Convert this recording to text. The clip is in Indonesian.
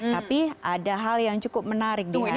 tapi ada hal yang cukup menarik di hari ini